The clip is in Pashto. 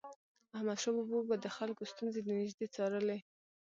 احمدشاه بابا به د خلکو ستونزې د نژدي څارلي.